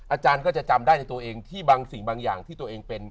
อาจารย์ก็จะจำได้ในตัวเองที่บางสิ่งบางอย่างที่ตัวเองเป็น